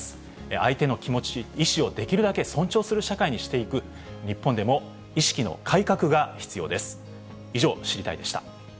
相手の気持ち、意思をできるだけ尊重する社会にしていく日本でも意識の改革が必要です。